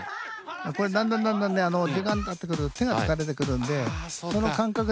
これだんだんだんだんね時間たってくると手が疲れてくるんでその感覚試し。